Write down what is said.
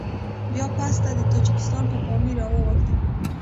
بيا پسته د تاجکستان په پامير راواوښتم.